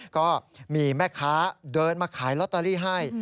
ก็มีแม่ค้าเดินมาขายลอตเตอรี่ให้